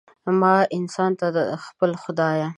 ما انسان ته، د خپل خدایه